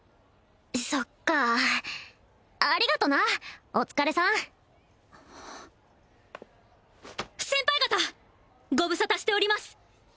そっかありがとなお疲れさん先輩方ご無沙汰しております！